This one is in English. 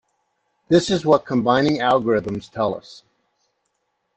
This is what combining algorithms tell us.